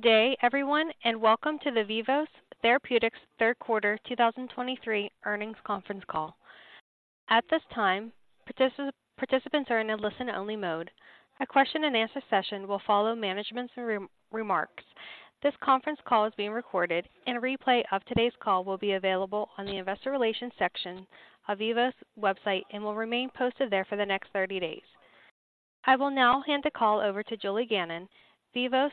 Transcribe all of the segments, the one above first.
Good day, everyone, and welcome to the Vivos Therapeutics Q3 2023 Earnings Conference Call. At this time, participants are in a listen-only mode. A question-and-answer session will follow management's remarks. This conference call is being recorded, and a replay of today's call will be available on the investor relations section of Vivos' website and will remain posted there for the next 30 days. I will now hand the call over to Julie Gannon, Vivos'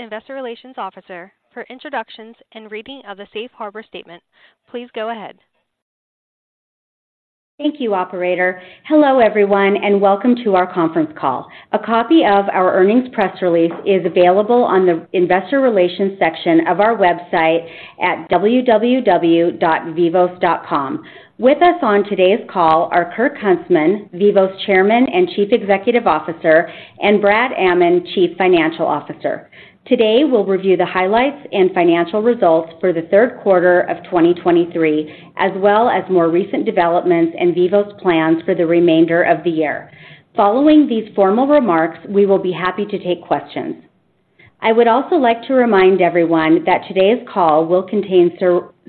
Investor Relations Officer, for introductions and reading of the Safe Harbor statement. Please go ahead. Thank you, operator. Hello, everyone, and welcome to our conference call. A copy of our earnings press release is available on the investor relations section of our website at www.vivos.com. With us on today's call are Kirk Huntsman, Vivos Chairman and Chief Executive Officer, and Brad Amman, Chief Financial Officer. Today, we'll review the highlights and financial results for the Q3 of 2023, as well as more recent developments and Vivos plans for the remainder of the year. Following these formal remarks, we will be happy to take questions. I would also like to remind everyone that today's call will contain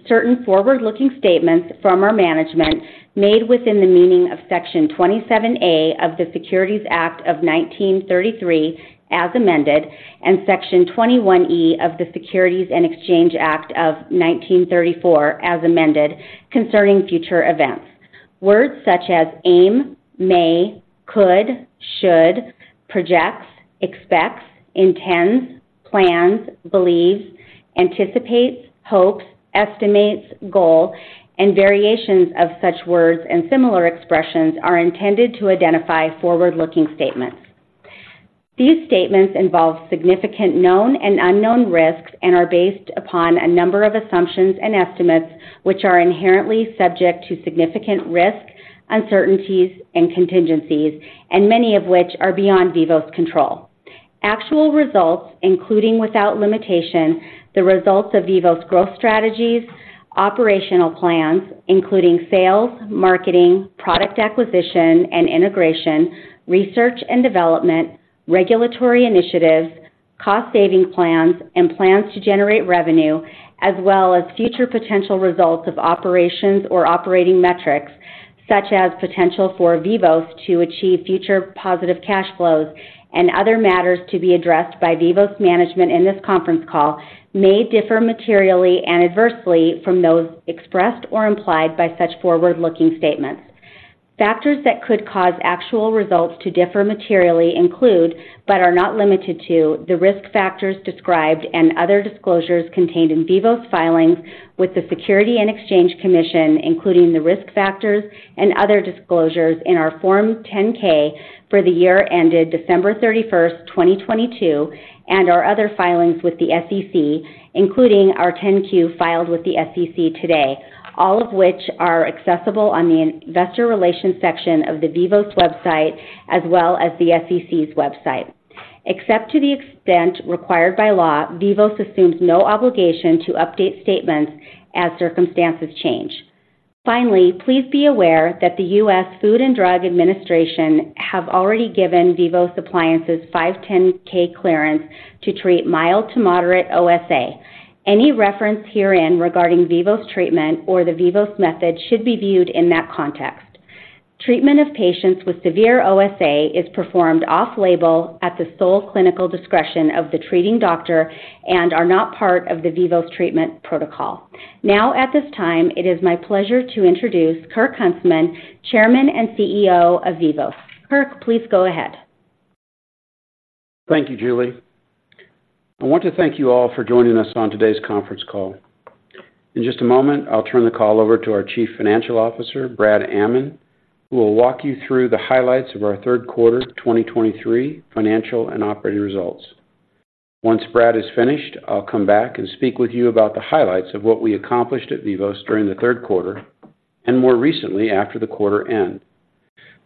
certain forward-looking statements from our management made within the meaning of Section 27A of the Securities Act of 1933, as amended, and Section 21E of the Securities and Exchange Act of 1934, as amended, concerning future events. Words such as aim, may, could, should, projects, expects, intends, plans, believes, anticipates, hopes, estimates, goal, and variations of such words and similar expressions are intended to identify forward-looking statements. These statements involve significant known and unknown risks and are based upon a number of assumptions and estimates, which are inherently subject to significant risk, uncertainties, and contingencies, and many of which are beyond Vivos control. Actual results, including without limitation, the results of Vivos growth strategies, operational plans, including sales, marketing, product acquisition and integration, research and development, regulatory initiatives, cost-saving plans, and plans to generate revenue, as well as future potential results of operations or operating metrics, such as potential for Vivos to achieve future positive cash flows and other matters to be addressed by Vivos management in this conference call, may differ materially and adversely from those expressed or implied by such forward-looking statements. Factors that could cause actual results to differ materially include, but are not limited to, the risk factors described and other disclosures contained in Vivos filings with the Securities and Exchange Commission, including the risk factors and other disclosures in our Form 10-K for the year ended December 31st, 2022, and our other filings with the SEC, including our 10-Q filed with the SEC today, all of which are accessible on the investor relations section of the Vivos website, as well as the SEC's website. Except to the extent required by law, Vivos assumes no obligation to update statements as circumstances change. Finally, please be aware that the U.S. Food and Drug Administration have already given Vivos appliances five 510(k) clearance to treat mild to moderate OSA. Any reference herein regarding Vivos treatment or the Vivos Method should be viewed in that context. Treatment of patients with severe OSA is performed off-label at the sole clinical discretion of the treating doctor and are not part of the Vivos treatment protocol. Now, at this time, it is my pleasure to introduce Kirk Huntsman, Chairman and CEO of Vivos. Kirk, please go ahead. Thank you, Julie. I want to thank you all for joining us on today's conference call. In just a moment, I'll turn the call over to our Chief Financial Officer, Brad Amman, who will walk you through the highlights of our Q3 2023 financial and operating results. Once Brad is finished, I'll come back and speak with you about the highlights of what we accomplished at Vivos during the Q3 and more recently after the quarter end.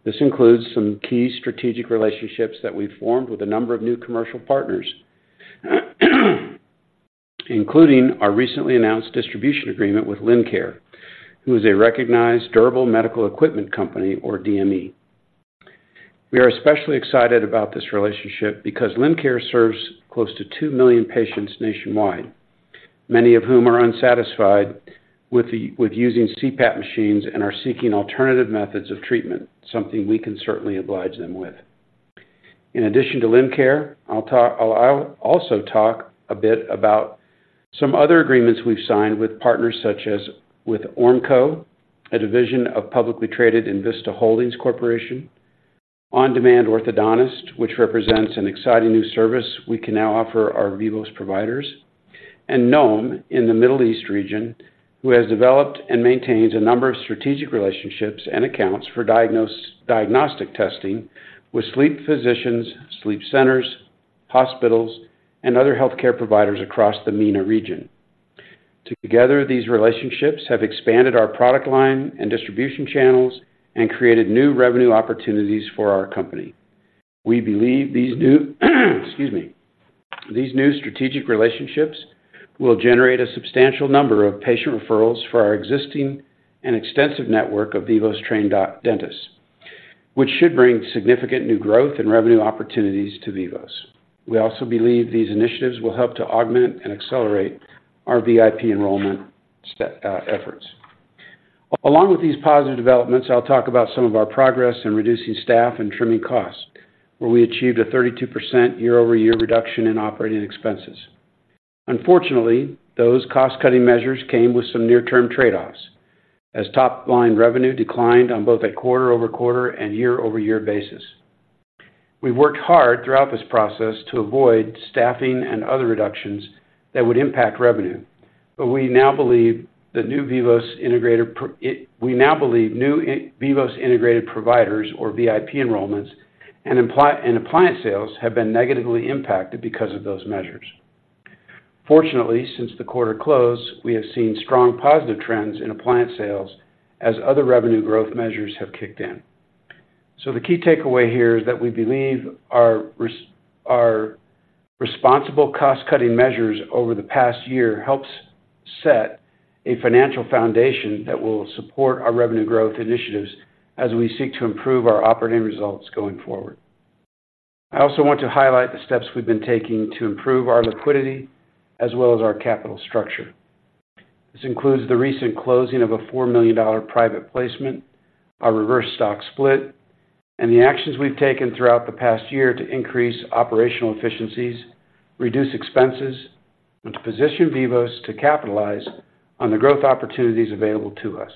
This includes some key strategic relationships that we've formed with a number of new commercial partners, including our recently announced distribution agreement with Lincare, who is a recognized Durable Medical Equipment company, or DME. We are especially excited about this relationship because Lincare serves close to two million patients nationwide, many of whom are unsatisfied with using CPAP machines and are seeking alternative methods of treatment, something we can certainly oblige them with. In addition to Lincare, I'll also talk a bit about some other agreements we've signed with partners such as with Ormco, a division of publicly traded Envista Holdings Corporation, On-Demand Orthodontist, which represents an exciting new service we can now offer our Vivos providers, and Noum in the Middle East region, who has developed and maintains a number of strategic relationships and accounts for diagnostic testing with sleep physicians, sleep centers, hospitals, and other healthcare providers across the MENA region. Together, these relationships have expanded our product line and distribution channels and created new revenue opportunities for our company. We believe these new, excuse me, these new strategic relationships will generate a substantial number of patient referrals for our existing and extensive network of Vivos-trained dentists, which should bring significant new growth and revenue opportunities to Vivos. We also believe these initiatives will help to augment and accelerate our VIP enrollment set, efforts. Along with these positive developments, I'll talk about some of our progress in reducing staff and trimming costs, where we achieved a 32% year-over-year reduction in operating expenses. Unfortunately, those cost-cutting measures came with some near-term trade-offs, as top-line revenue declined on both a quarter-over-quarter and year-over-year basis. We've worked hard throughout this process to avoid staffing and other reductions that would impact revenue, but we now believe the new Vivos Integrated Providers or VIP enrollments and appliance sales have been negatively impacted because of those measures. Fortunately, since the quarter closed, we have seen strong positive trends in appliance sales as other revenue growth measures have kicked in. So the key takeaway here is that we believe our responsible cost-cutting measures over the past year helps set a financial foundation that will support our revenue growth initiatives as we seek to improve our operating results going forward. I also want to highlight the steps we've been taking to improve our liquidity as well as our capital structure. This includes the recent closing of a $4 million private placement, our reverse stock split, and the actions we've taken throughout the past year to increase operational efficiencies, reduce expenses, and to position Vivos to capitalize on the growth opportunities available to us.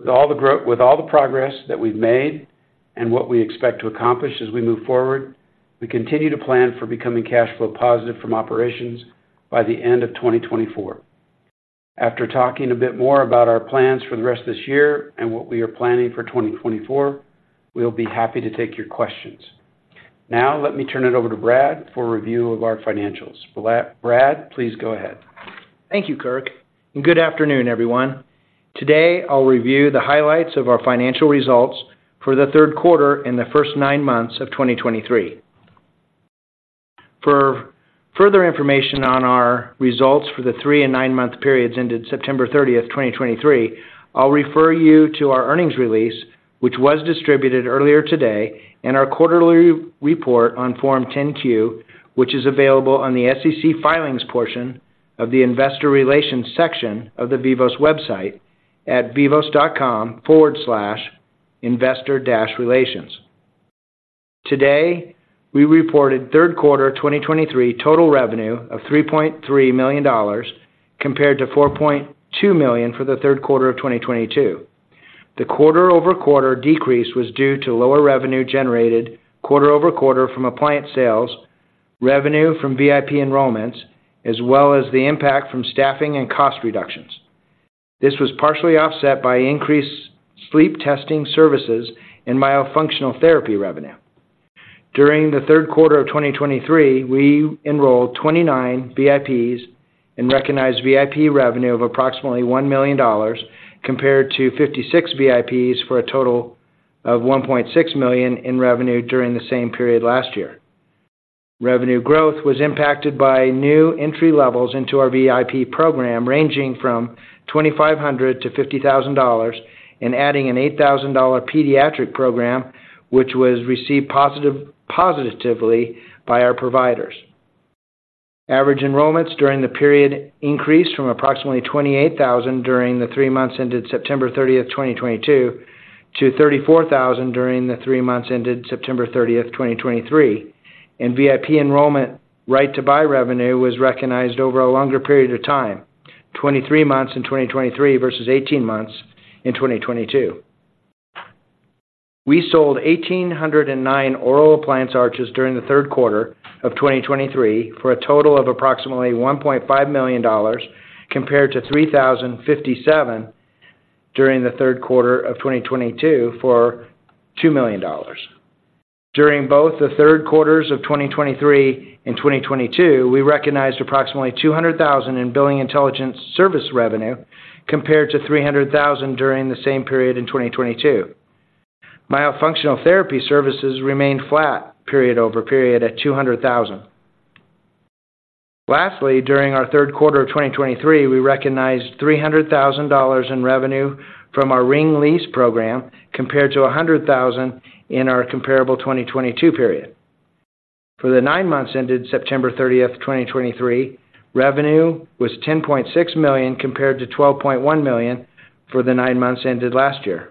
With all the progress that we've made and what we expect to accomplish as we move forward, we continue to plan for becoming cash flow positive from operations by the end of 2024. After talking a bit more about our plans for the rest of this year and what we are planning for 2024, we'll be happy to take your questions. Now, let me turn it over to Brad for a review of our financials. Brad, please go ahead. Thank you, Kirk, and good afternoon, everyone. Today, I'll review the highlights of our financial results for the Q3 and the first nine months of 2023. For further information on our results for the three and nine-month periods ended September 30th, 2023, I'll refer you to our earnings release, which was distributed earlier today, and our quarterly report on Form 10-Q, which is available on the SEC Filings portion of the Investor Relations section of the Vivos website at vivos.com/investor-relations. Today, we reported Q3 2023 total revenue of $3.3 million, compared to $4.2 million for the Q3 of 2022. The quarter-over-quarter decrease was due to lower revenue generated quarter-over-quarter from appliance sales, revenue from VIP enrollments, as well as the impact from staffing and cost reductions. This was partially offset by increased sleep testing services and myofunctional therapy revenue. During theQ3 of 2023, we enrolled 29 VIPs and recognized VIP revenue of approximately $1 million, compared to 56 VIPs for a total of $1.6 million in revenue during the same period last year. Revenue growth was impacted by new entry levels into our VIP program, ranging from $2,500-$50,000 and adding an $8,000 pediatric program, which was received positively by our providers. Average enrollments during the period increased from approximately 28,000 during the three months ended September 30th, 2022, to 34,000 during the three months ended September 30th, 2023, and VIP enrollment right to buy revenue was recognized over a longer period of time, 23 months in 2023 versus 18 months in 2022. We sold 1,809 oral appliance arches during the Q3 of 2023, for a total of approximately $1.5 million, compared to 3,057 during the Q3 of 2022 for $2 million. During both the Q3s of 2023 and 2022, we recognized approximately $200,000 in billing intelligence service revenue, compared to $300,000 during the same period in 2022. Myofunctional therapy services remained flat period-over-period at $200,000. Lastly, during our Q3 of 2023, we recognized $300,000 in revenue from our ring lease program, compared to $100,000 in our comparable 2022 period. For the nine months ended September 30th, 2023, revenue was $10.6 million, compared to $12.1 million for the nine months ended last year.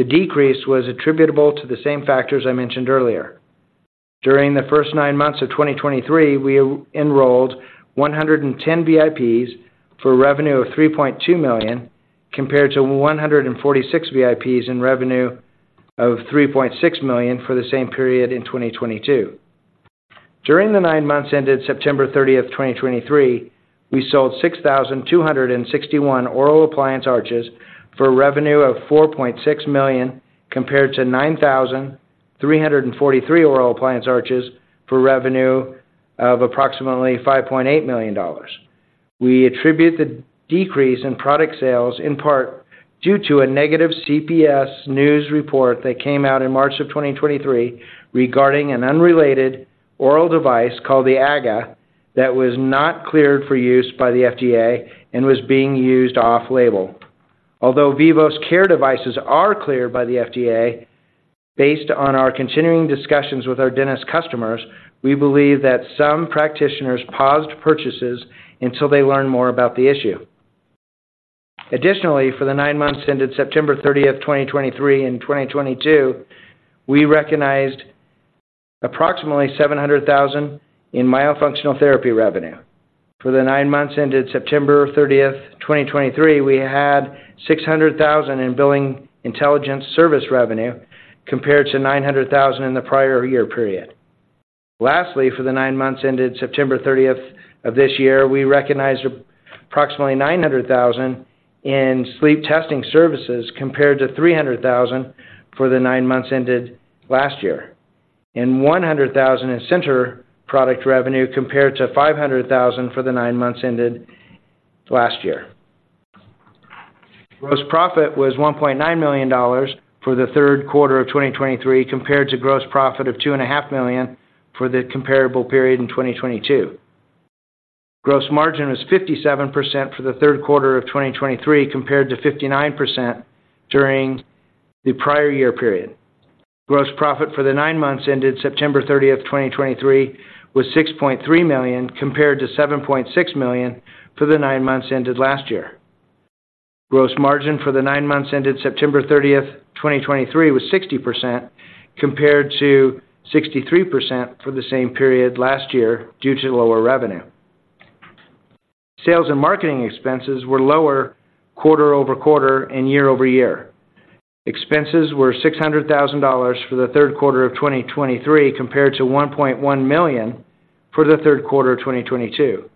The decrease was attributable to the same factors I mentioned earlier. During the first nine months of 2023, we enrolled 110 VIPs for revenue of $3.2 million, compared to 146 VIPs in revenue of $3.6 million for the same period in 2022. During the nine months ended September 30th, 2023, we sold 6,261 oral appliance arches for a revenue of $4.6 million, compared to 9,343 oral appliance arches for revenue of approximately $5.8 million. We attribute the decrease in product sales in part due to a negative CBS news report that came out in March of 2023 regarding an unrelated oral device called the AGGA that was not cleared for use by the FDA and was being used off-label. Although Vivos CARE devices are cleared by the FDA, based on our continuing discussions with our dentist customers, we believe that some practitioners paused purchases until they learn more about the issue. Additionally, for the nine months ended September 30th, 2023 and 2022, we recognized approximately $700,000 in myofunctional therapy revenue. For the nine months ended September 30th, 2023, we had $600,000 in billing intelligence service revenue, compared to $900,000 in the prior year period. Lastly, for the nine months ended September 30th of this year, we recognized approximately $900,000 in sleep testing services, compared to $300,000 for the nine months ended last year, and $100,000 in center product revenue, compared to $500,000 for the nine months ended last year. Gross profit was $1.9 million for the Q3 of 2023, compared to gross profit of $2.5 million for the comparable period in 2022. Gross margin was 57% for the Q3 of 2023, compared to 59% during the prior year period. Gross profit for the nine months ended September 30th, 2023, was $6.3 million, compared to $7.6 million for the nine months ended last year. Gross margin for the nine months ended September 30th, 2023, was 60%, compared to 63% for the same period last year due to lower revenue. Sales and marketing expenses were lower quarter-over-quarter and year-over-year. Expenses were $600,000 for the Q3 of 2023, compared to $1.1 million for the Q3 of 2022.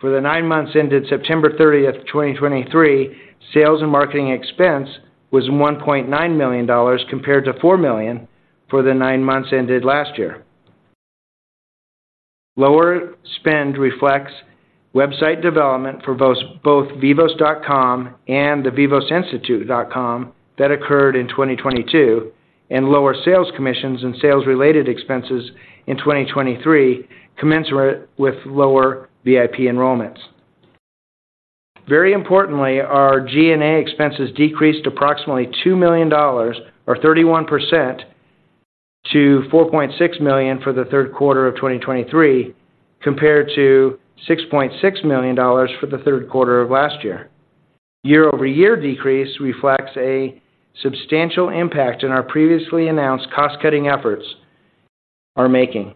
For the nine months ended September 30th, 2023, sales and marketing expense was $1.9 million, compared to $4 million for the nine months ended last year. Lower spend reflects website development for both, both vivos.com and the vivosinstitute.com that occurred in 2022, and lower sales commissions and sales-related expenses in 2023, commensurate with lower VIP enrollments. Very importantly, our G&A expenses decreased approximately $2 million or 31% to $4.6 million for the Q3 of 2023, compared to $6.6 million for the Q3 of last year. Year-over-year decrease reflects a substantial impact in our previously announced cost-cutting efforts are making.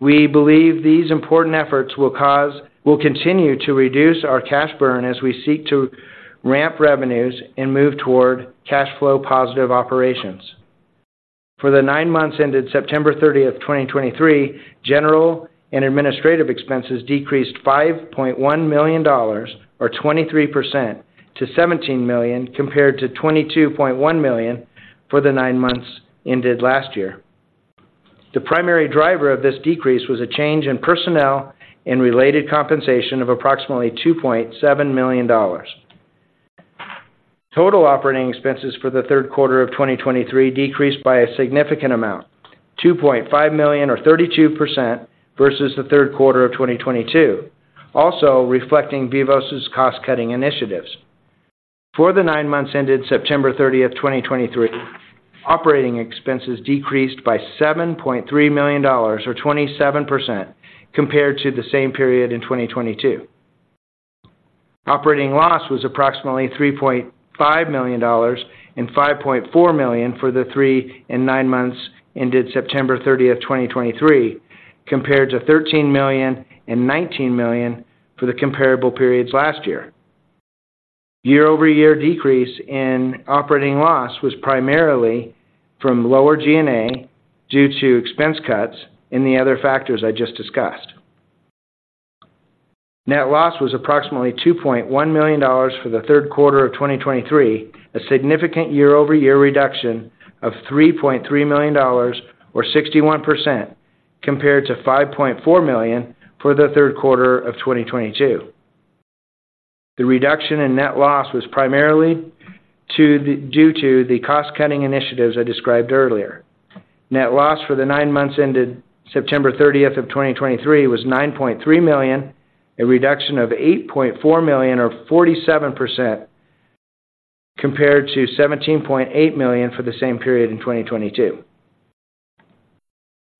We believe these important efforts will cause, will continue to reduce our cash burn as we seek to ramp revenues and move toward cash flow positive operations. For the nine months ended September 30th, 2023, general and administrative expenses decreased $5.1 million or 23% to $17 million, compared to $22.1 million for the nine months ended last year. The primary driver of this decrease was a change in personnel and related compensation of approximately $2.7 million. Total operating expenses for the Q3 of 2023 decreased by a significant amount, $2.5 million or 32% versus the Q3 of 2022, also reflecting Vivos' cost-cutting initiatives. For the nine months ended September 30th, 2023, operating expenses decreased by $7.3 million or 27%, compared to the same period in 2022. Operating loss was approximately $3.5 million and $5.4 million for the three and nine months ended September 30th, 2023, compared to $13 million and $19 million for the comparable periods last year. Year-over-year decrease in operating loss was primarily from lower G&A due to expense cuts and the other factors I just discussed. Net loss was approximately $2.1 million for the Q3 of 2023, a significant year-over-year reduction of $3.3 million or 61%, compared to $5.4 million for the Q3 of 2022. The reduction in net loss was primarily due to the cost-cutting initiatives I described earlier. Net loss for the nine months ended September 30, 2023, was $9.3 million, a reduction of $8.4 million or 47%, compared to $17.8 million for the same period in 2022.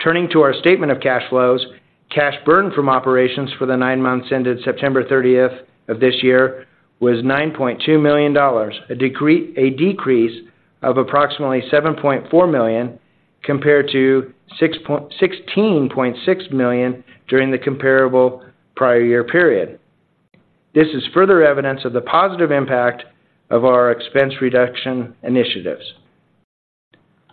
Turning to our statement of cash flows, cash burn from operations for the nine months ended September 30th of this year was $9.2 million, a decrease of approximately $7.4 million, compared to $16.6 million during the comparable prior year period. This is further evidence of the positive impact of our expense reduction initiatives.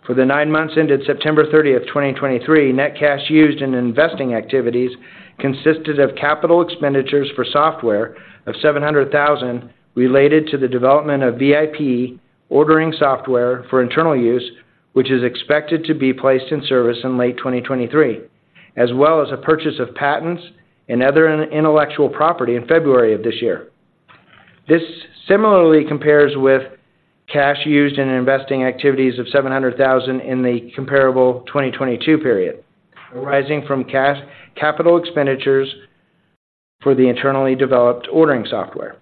For the nine months ended September 30th, 2023, net cash used in investing activities consisted of capital expenditures for software of $700,000 related to the development of VIP ordering software for internal use, which is expected to be placed in service in late 2023, as well as a purchase of patents and other intellectual property in February of this year. This similarly compares with cash used in investing activities of $700,000 in the comparable 2022 period, arising from cash, capital expenditures for the internally developed ordering software.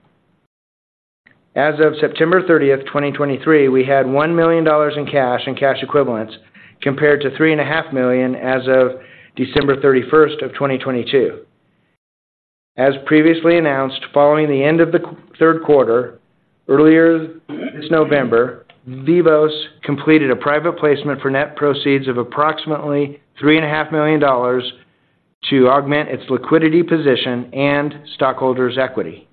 As of September 30th, 2023, we had $1 million in cash and cash equivalents, compared to $3.5 million as of December 31st, 2022. As previously announced, following the end of the Q3, earlier this November, Vivos completed a private placement for net proceeds of approximately $3.5 million to augment its liquidity position and stockholders' equity.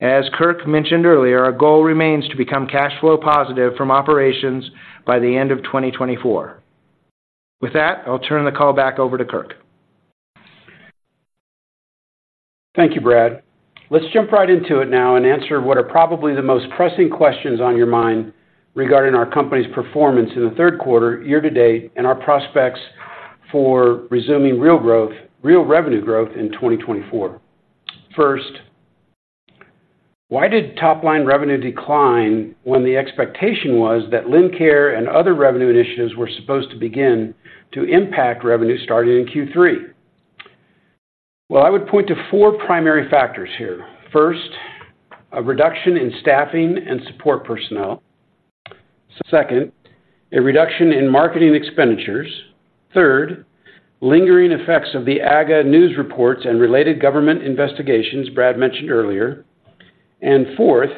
As Kirk mentioned earlier, our goal remains to become cash flow positive from operations by the end of 2024. With that, I'll turn the call back over to Kirk. Thank you, Brad. Let's jump right into it now and answer what are probably the most pressing questions on your mind regarding our company's performance in the Q3, year to date, and our prospects for resuming real growth, real revenue growth in 2024. First, why did top-line revenue decline when the expectation was that Lincare and other revenue initiatives were supposed to begin to impact revenue starting in Q3? Well, I would point to four primary factors here. First, a reduction in staffing and support personnel. Second, a reduction in marketing expenditures. Third, lingering effects of the AGGA news reports and related government investigations Brad mentioned earlier. And fourth,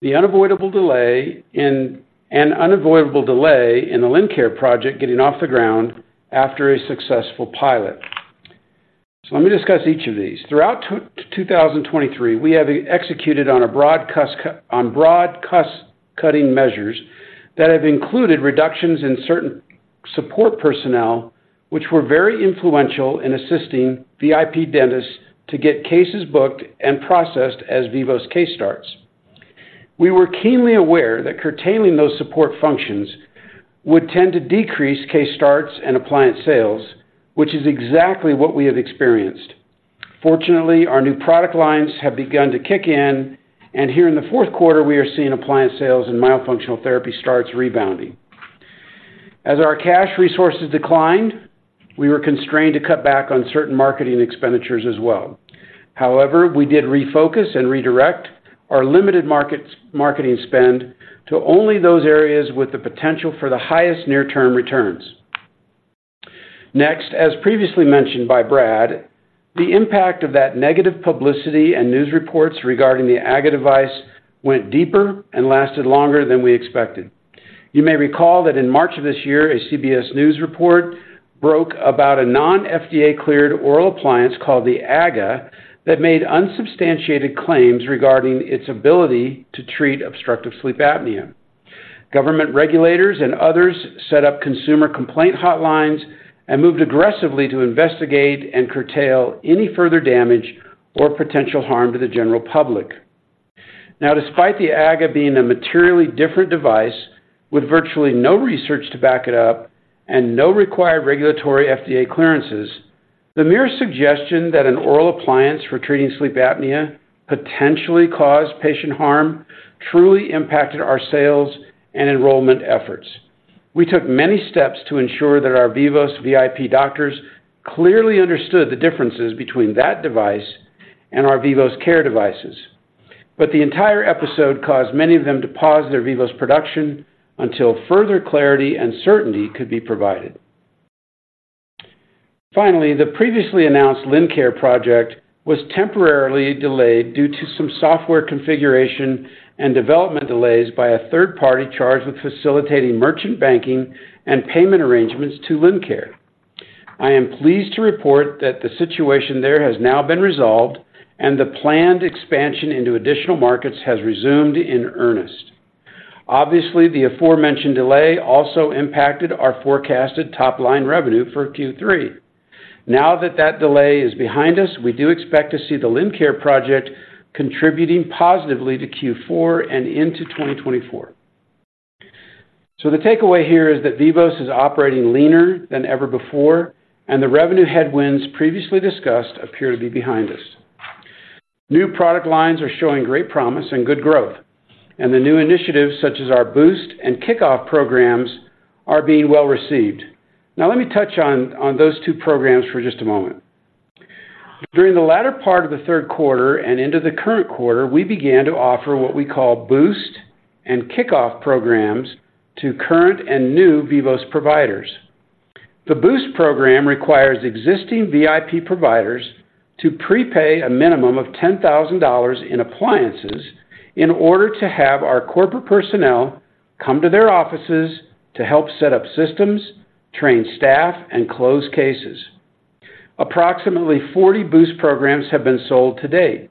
the unavoidable delay in the Lincare project getting off the ground after a successful pilot. Let me discuss each of these. Throughout 2023, we have executed on a broad cost cut, on broad cost-cutting measures that have included reductions in certain support personnel, which were very influential in assisting VIP dentists to get cases booked and processed as Vivos case starts. We were keenly aware that curtailing those support functions would tend to decrease case starts and appliance sales, which is exactly what we have experienced. Fortunately, our new product lines have begun to kick in, and here in the Q4, we are seeing appliance sales and myofunctional therapy starts rebounding. As our cash resources declined, we were constrained to cut back on certain marketing expenditures as well. However, we did refocus and redirect our limited marketing spend to only those areas with the potential for the highest near-term returns. Next, as previously mentioned by Brad, the impact of that negative publicity and news reports regarding the AGGA device went deeper and lasted longer than we expected. You may recall that in March of this year, a CBS News report broke about a non-FDA-cleared oral appliance called the AGGA that made unsubstantiated claims regarding its ability to treat obstructive sleep apnea. Government regulators and others set up consumer complaint hotlines and moved aggressively to investigate and curtail any further damage or potential harm to the general public. Now, despite the AGGA being a materially different device with virtually no research to back it up and no required regulatory FDA clearances, the mere suggestion that an oral appliance for treating sleep apnea potentially caused patient harm truly impacted our sales and enrollment efforts. We took many steps to ensure that our Vivos VIP doctors clearly understood the differences between that device and our Vivos CARE devices, but the entire episode caused many of them to pause their Vivos production until further clarity and certainty could be provided. Finally, the previously announced Lincare project was temporarily delayed due to some software configuration and development delays by a third party charged with facilitating merchant banking and payment arrangements to Lincare. I am pleased to report that the situation there has now been resolved and the planned expansion into additional markets has resumed in earnest. Obviously, the aforementioned delay also impacted our forecasted top-line revenue for Q3. Now that that delay is behind us, we do expect to see the Lincare project contributing positively to Q4 and into 2024. So the takeaway here is that Vivos is operating leaner than ever before, and the revenue headwinds previously discussed appear to be behind us. New product lines are showing great promise and good growth, and the new initiatives, such as our Boost and Kickoff programs, are being well received. Now, let me touch on those two programs for just a moment. During the latter part of the Q3 and into the current quarter, we began to offer what we call Boost and Kickoff programs to current and new Vivos providers. The Boost program requires existing VIP providers to prepay a minimum of $10,000 in appliances in order to have our corporate personnel come to their offices to help set up systems, train staff, and close cases. Approximately 40 Boost programs have been sold to date,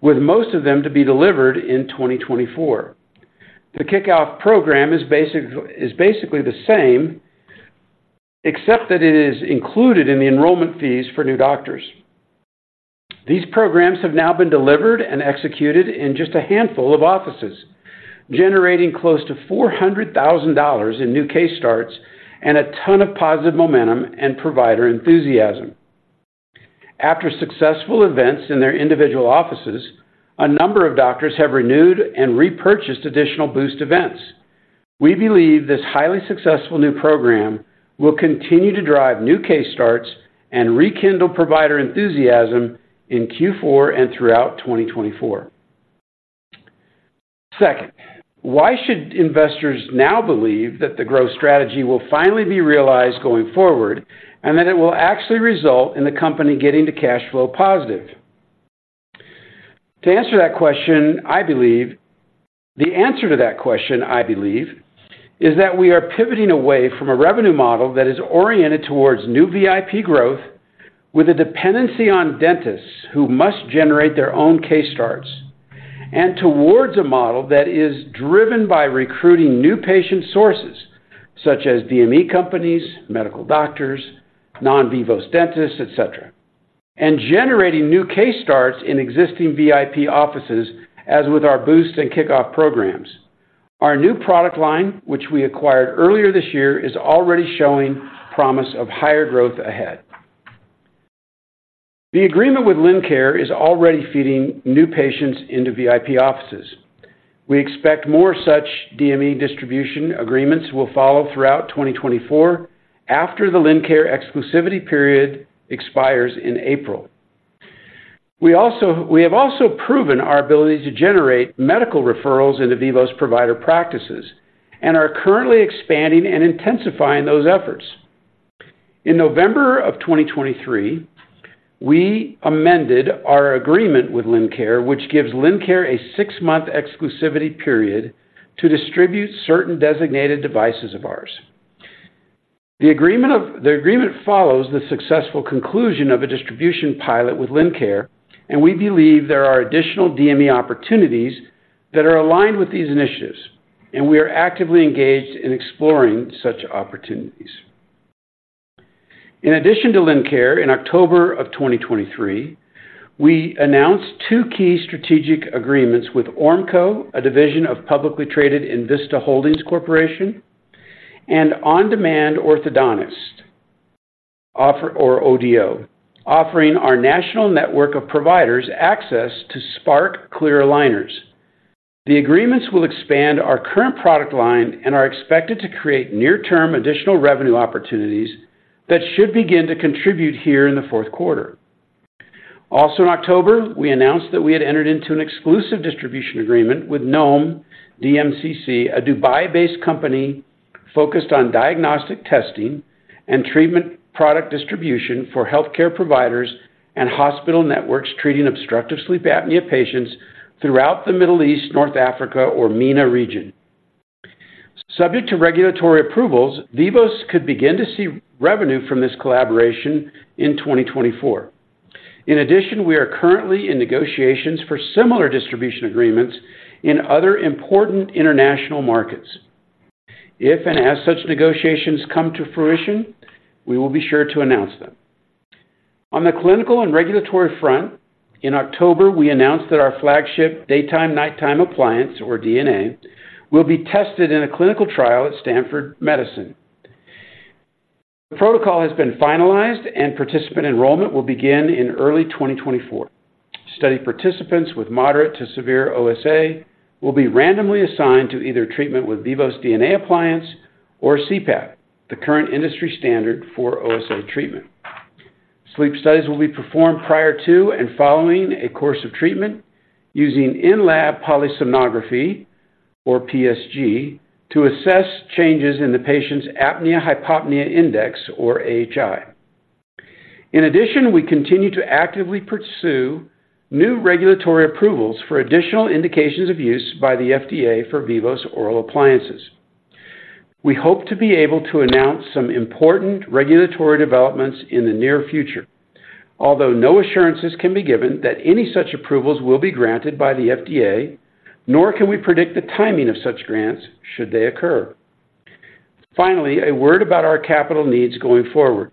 with most of them to be delivered in 2024. The Kickoff program is basically the same, except that it is included in the enrollment fees for new doctors. These programs have now been delivered and executed in just a handful of offices, generating close to $400,000 in new case starts and a ton of positive momentum and provider enthusiasm. After successful events in their individual offices, a number of doctors have renewed and repurchased additional Boost events. We believe this highly successful new program will continue to drive new case starts and rekindle provider enthusiasm in Q4 and throughout 2024. Second, why should investors now believe that the growth strategy will finally be realized going forward, and that it will actually result in the company getting to cash flow positive? To answer that question, I believe, is that we are pivoting away from a revenue model that is oriented towards new VIP growth, with a dependency on dentists who must generate their own case starts, and towards a model that is driven by recruiting new patient sources such as DME companies, medical doctors, non-Vivos dentists, et cetera, and generating new case starts in existing VIP offices, as with our Boost and Kickoff programs. Our new product line, which we acquired earlier this year, is already showing promise of higher growth ahead. The agreement with Lincare is already feeding new patients into VIP offices. We expect more such DME distribution agreements will follow throughout 2024, after the Lincare exclusivity period expires in April. We have also proven our ability to generate medical referrals into Vivos provider practices and are currently expanding and intensifying those efforts. In November 2023, we amended our agreement with Lincare, which gives Lincare a six-month exclusivity period to distribute certain designated devices of ours. The agreement follows the successful conclusion of a distribution pilot with Lincare, and we believe there are additional DME opportunities that are aligned with these initiatives, and we are actively engaged in exploring such opportunities. In addition to Lincare, in October 2023, we announced two key strategic agreements with Ormco, a division of publicly traded Envista Holdings Corporation and On-Demand Orthodontist, or ODO, offering our national network of providers access to Spark clear aligners. The agreements will expand our current product line and are expected to create near-term additional revenue opportunities that should begin to contribute here in the Q4. Also, in October, we announced that we had entered into an exclusive distribution agreement with Noum DMCC, a Dubai-based company focused on diagnostic testing and treatment product distribution for healthcare providers and hospital networks treating obstructive sleep apnea patients throughout the Middle East, North Africa or MENA region. Subject to regulatory approvals, Vivos could begin to see revenue from this collaboration in 2024. In addition, we are currently in negotiations for similar distribution agreements in other important international markets. If and as such negotiations come to fruition, we will be sure to announce them. On the clinical and regulatory front, in October, we announced that our flagship Daytime-Nighttime Appliance, or DNA, will be tested in a clinical trial at Stanford Medicine. The protocol has been finalized and participant enrollment will begin in early 2024. Study participants with moderate to severe OSA will be randomly assigned to either treatment with Vivos DNA Appliance or CPAP, the current industry standard for OSA treatment. Sleep studies will be performed prior to and following a course of treatment using in-lab Polysomnography or PSG, to assess changes in the patient's Apnea-Hypopnea Index or AHI. In addition, we continue to actively pursue new regulatory approvals for additional indications of use by the FDA for Vivos oral appliances. We hope to be able to announce some important regulatory developments in the near future, although no assurances can be given that any such approvals will be granted by the FDA, nor can we predict the timing of such grants should they occur. Finally, a word about our capital needs going forward.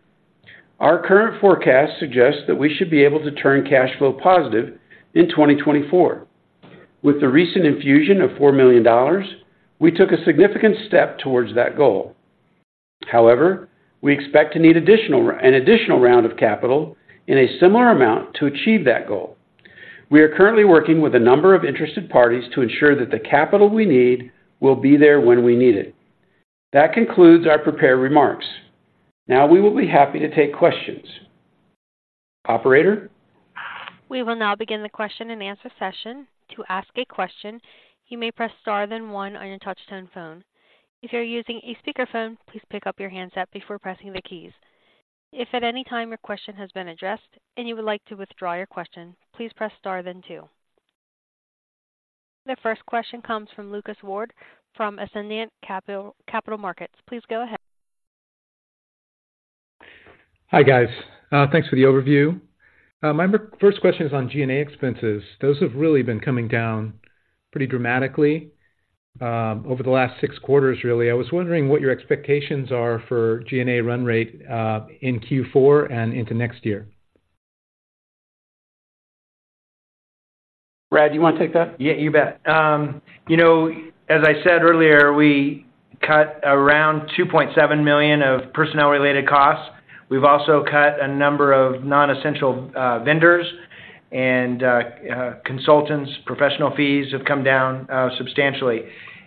Our current forecast suggests that we should be able to turn cash flow positive in 2024. With the recent infusion of $4 million, we took a significant step towards that goal. However, we expect to need an additional round of capital in a similar amount to achieve that goal. We are currently working with a number of interested parties to ensure that the capital we need will be there when we need it. That concludes our prepared remarks. Now we will be happy to take questions. Operator? We will now begin the question-and-answer session. To ask a question, you may press star, then one on your touchtone phone. If you're using a speakerphone, please pick up your handset before pressing the keys. If at any time your question has been addressed and you would like to withdraw your question, please press star then two. The first question comes from Lucas Ward from Ascendiant Capital Markets. Please go ahead. Hi, guys. Thanks for the overview. My first question is on G&A expenses. Those have really been coming down pretty dramatically over the last six quarters, really. I was wondering what your expectations are for G&A run rate in Q4 and into next year.... Brad, do you want to take that? Yeah, you bet. You know, as I said earlier, we cut around $2.7 million of personnel-related costs. We've also cut a number of non-essential, vendors, and, consultants, professional fees have come down, substantially.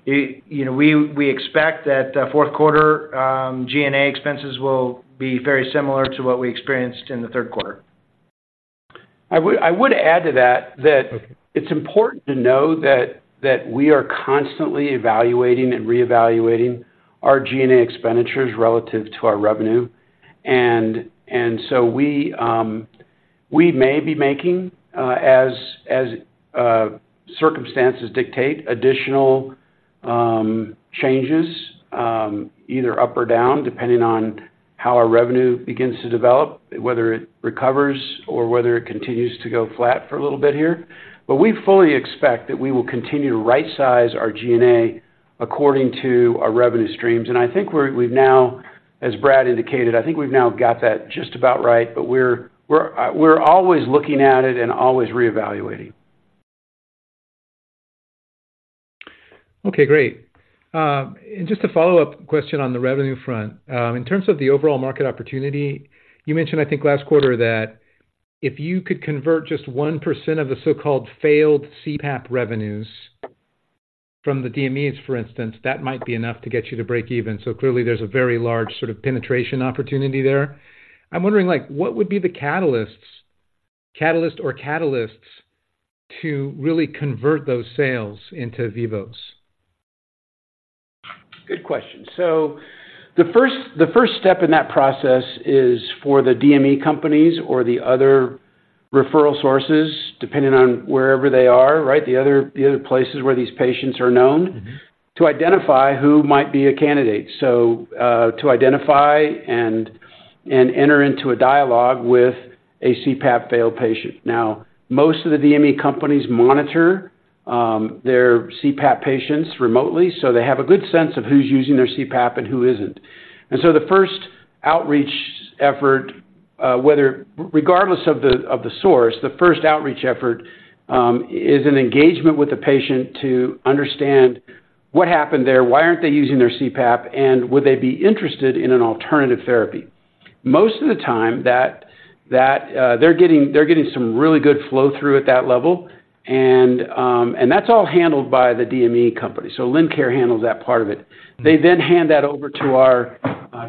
You know, we, we expect that, Q4, G&A expenses will be very similar to what we experienced in the Q3. I would add to that, that it's important to know that we are constantly evaluating and reevaluating our G&A expenditures relative to our revenue. And so we may be making, as circumstances dictate, additional changes, either up or down, depending on how our revenue begins to develop, whether it recovers or whether it continues to go flat for a little bit here. But we fully expect that we will continue to rightsize our G&A according to our revenue streams. And I think we've now, as Brad indicated, got that just about right, but we're always looking at it and always reevaluating. Okay, great. And just a follow-up question on the revenue front. In terms of the overall market opportunity, you mentioned, I think last quarter, that if you could convert just 1% of the so-called failed CPAP revenues from the DMEs, for instance, that might be enough to get you to break even. So clearly, there's a very large sort of penetration opportunity there. I'm wondering, like, what would be the catalysts, catalyst or catalysts to really convert those sales into Vivos? Good question. So the first step in that process is for the DME companies or the other referral sources, depending on wherever they are, right? The other places where these patients are known- Mm-hmm. -to identify who might be a candidate. So, to identify and enter into a dialogue with a CPAP-failed patient. Now, most of the DME companies monitor their CPAP patients remotely, so they have a good sense of who's using their CPAP and who isn't. And so the first outreach effort, regardless of the source, the first outreach effort is an engagement with the patient to understand what happened there, why aren't they using their CPAP, and would they be interested in an alternative therapy. Most of the time, that they're getting some really good flow-through at that level, and that's all handled by the DME company. So Lincare handles that part of it. They then hand that over to our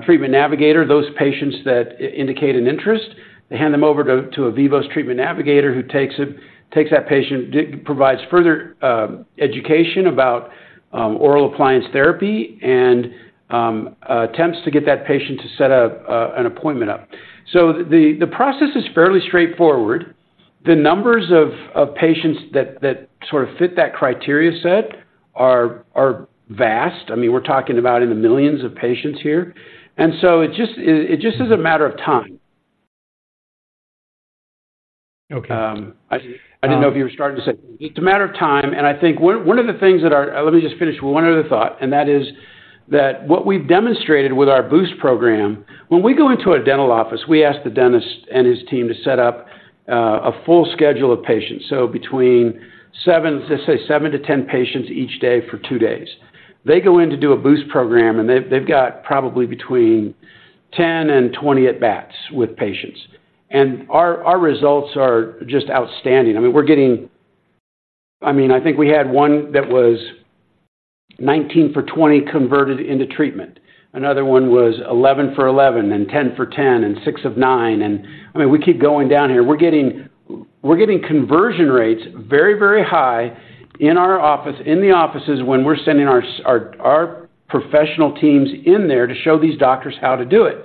treatment navigator. Those patients that indicate an interest, they hand them over to a Vivos treatment navigator, who takes that patient, provides further education about oral appliance therapy and attempts to get that patient to set up an appointment. So the process is fairly straightforward. The numbers of patients that sort of fit that criteria set are vast. I mean, we're talking about in the millions of patients here. And so it just is a matter of time. Okay, um- I didn't know if you were starting to say. It's a matter of time, and I think one of the things that our... Let me just finish with one other thought, and that is that what we've demonstrated with our Boost program, when we go into a dental office, we ask the dentist and his team to set up a full schedule of patients. So between seven to, say, seven to 10 patients each day for two days. They go in to do a Boost program, and they've got probably between 10 and 20 at-bats with patients. And our results are just outstanding. I mean, we're getting—I mean, I think we had one that was 19 for 20 converted into treatment. Another one was 11 for 11, and 10 for 10, and six of nine. And I mean, we keep going down here. We're getting conversion rates very, very high in our office, in the offices, when we're sending our professional teams in there to show these doctors how to do it.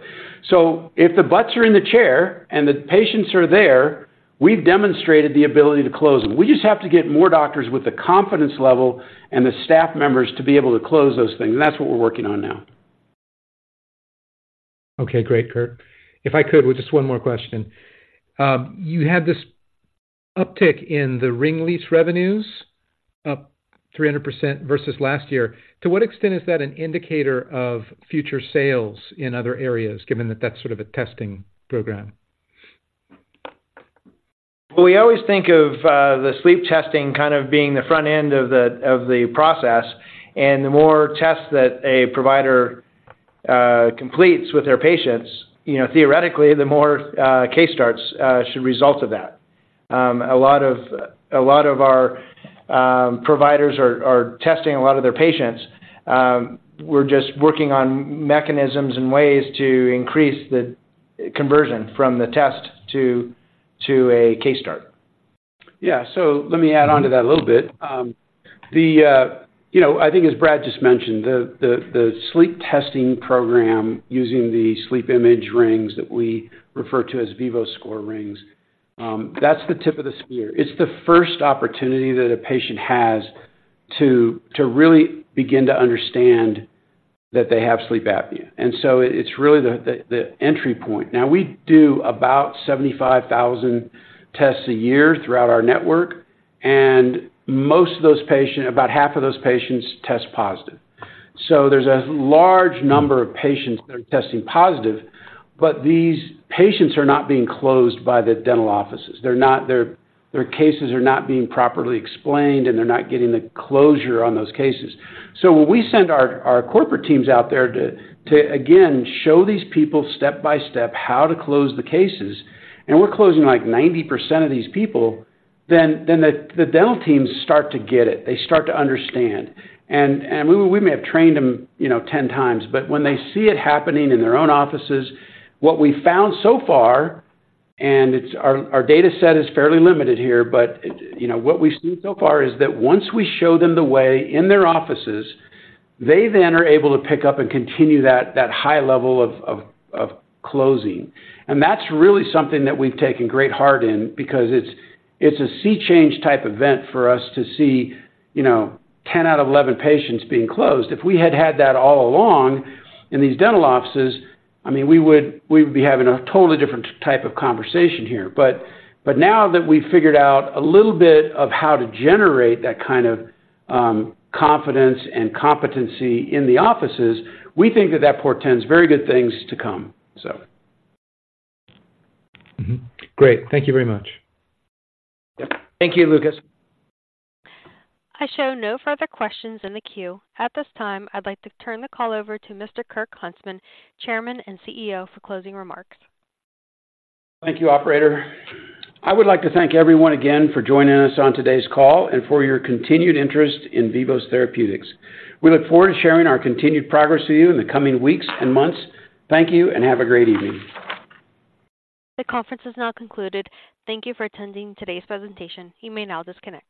So if the butts are in the chair and the patients are there, we've demonstrated the ability to close them. We just have to get more doctors with the confidence level and the staff members to be able to close those things, and that's what we're working on now. Okay, great, Kirk. If I could, with just one more question. You had this uptick in the rental lease revenues, up 300% versus last year. To what extent is that an indicator of future sales in other areas, given that that's sort of a testing program? Well, we always think of the sleep testing kind of being the front end of the process, and the more tests that a provider completes with their patients, you know, theoretically, the more case starts should result of that. A lot of our providers are testing a lot of their patients. We're just working on mechanisms and ways to increase the conversion from the test to a case start. Yeah. So let me add on to that a little bit. You know, I think as Brad just mentioned, the sleep testing program, using the SleepImage rings that we refer to as VivoScore rings, that's the tip of the spear. It's the first opportunity that a patient has to really begin to understand that they have sleep apnea, and so it's really the entry point. Now, we do about 75,000 tests a year throughout our network, and most of those patients—about half of those patients test positive. So there's a large number of patients that are testing positive, but these patients are not being closed by the dental offices. They're not—their cases are not being properly explained, and they're not getting the closure on those cases. So when we send our corporate teams out there to again show these people step by step how to close the cases, and we're closing, like, 90% of these people, then the dental teams start to get it. They start to understand. And we may have trained them, you know, 10x, but when they see it happening in their own offices, what we found so far, and it's our data set is fairly limited here, but, you know, what we've seen so far is that once we show them the way in their offices, they then are able to pick up and continue that high level of closing. That's really something that we've taken great heart in because it's a sea change type event for us to see, you know, 10 out of 11 patients being closed. If we had had that all along in these dental offices, I mean, we would be having a totally different type of conversation here. But now that we've figured out a little bit of how to generate that kind of confidence and competency in the offices, we think that that portends very good things to come, so. Mm-hmm. Great. Thank you very much. Yep. Thank you, Lucas. I show no further questions in the queue. At this time, I'd like to turn the call over to Mr. Kirk Huntsman, Chairman and CEO, for closing remarks. Thank you, operator. I would like to thank everyone again for joining us on today's call and for your continued interest in Vivos Therapeutics. We look forward to sharing our continued progress with you in the coming weeks and months. Thank you and have a great evening. The conference is now concluded. Thank you for attending today's presentation. You may now disconnect.